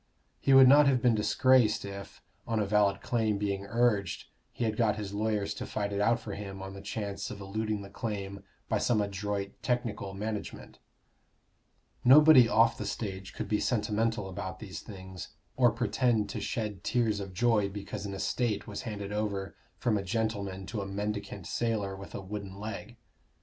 He would not have been disgraced if, on a valid claim being urged, he had got his lawyers to fight it out for him on the chance of eluding the claim by some adroit technical management. Nobody off the stage could be sentimental about these things, or pretend to shed tears of joy because an estate was handed over from a gentleman to a mendicant sailor with a wooden leg.